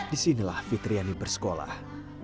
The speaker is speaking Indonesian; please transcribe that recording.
disinilah fitriani bersekolah